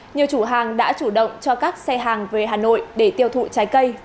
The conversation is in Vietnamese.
nhiều chủ hàng đã chủ động cho các xe hàng về hà nội để tiêu thụ trái cây